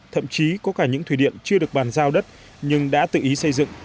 thậm chí có cả những thủy điện chưa được bàn giao đất nhưng đã tự ý xây dựng